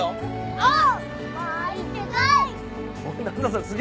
おう。